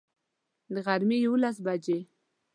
د غرمي یوولس بجي